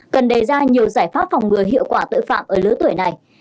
cần đề ra nhiều giải pháp phòng ngừa hiệu quả tội phạm ở lứa tuổi này